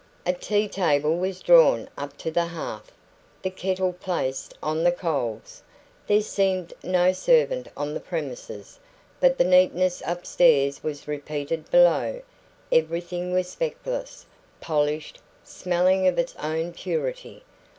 A tea table was drawn up to the hearth, the kettle placed on the coals. There seemed no servant on the premises, but the neatness upstairs was repeated below; everything was speckless, polished, smelling of its own purity.